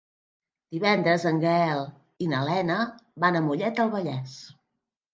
Divendres en Gaël i na Lena van a Mollet del Vallès.